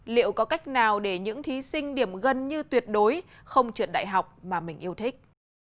liệu có cách nào để những thí sinh điểm gần như tuyệt đối không trượt đại học mà mình yêu thích